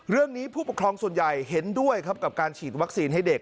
ผู้ปกครองส่วนใหญ่เห็นด้วยครับกับการฉีดวัคซีนให้เด็ก